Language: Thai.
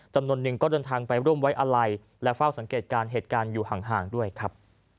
จำนวนหนึ่งก็เดินทางไปร่วมไว้อาลัยและเฝ้าสังเกตการณ์เหตุการณ์อยู่ห่างด้วยครับ